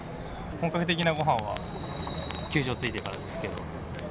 本格的なごはんは球場着いてからですけど。